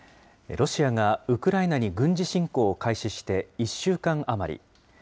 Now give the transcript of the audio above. ロシアがウクライナに軍事侵攻を開始して、１週間余り。